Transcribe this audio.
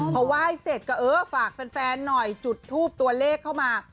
พอไหว้เสร็จก็เออฝากแฟนหน่อยจุดทูปตัวเลขเข้ามา